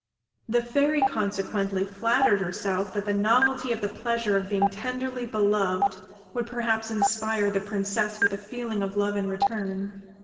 The Fairy consequently flattered herself that the novelty of the pleasure of being tenderly beloved would perhaps inspire the Princess with a feeling of love in return.